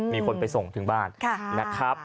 มีคนไปส่งถึงบ้าน